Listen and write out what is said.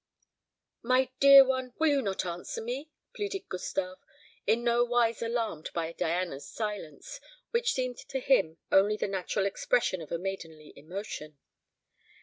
"My dear one, will you not answer me?" pleaded Gustave, in nowise alarmed by Diana's silence, which seemed to him only the natural expression of a maidenly emotion.